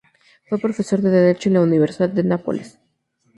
Fue profesor de Derecho en la Universidad de Nápoles.